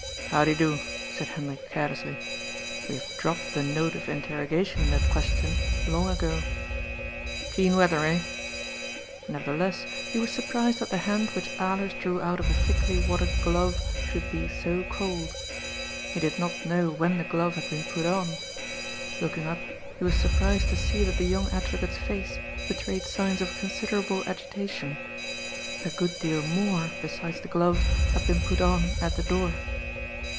"How de do," said Hendrik carelessly. We have dropped the note of interrogation in that question long ago. " Keen weather, eh ?" Nevertheless, he was surprised that 156 €^OD'S FOOL. • the hand which Alers drew out of a thickly wadded glove should be bo cold. He did not know when the gloye had been put on. Looking up, he was surprised to see that the young advocate's face betrayed signs of considerable agitation. A good deal more, besides the glove, had been put on at the door.